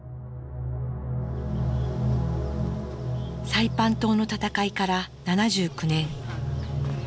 サイパン島の戦いから７９年。